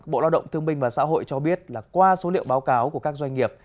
bộ lao động thương minh và xã hội cho biết là qua số liệu báo cáo của các doanh nghiệp